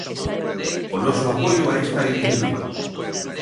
O noso apoio a esta iniciativa.